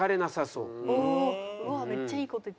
うわーめっちゃいい事言って。